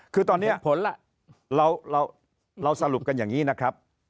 คือตอนนี้ผลล่ะเราสรุปกันอย่างนี้นะครับ